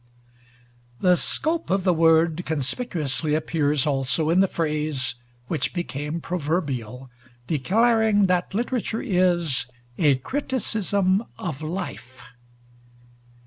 The scope of the word conspicuously appears also in the phrase, which became proverbial, declaring that literature is "a criticism of life."